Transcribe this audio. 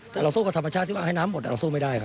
แต่เราสู้กับธรรมชาติที่ว่าให้น้ำหมดเราสู้ไม่ได้ครับ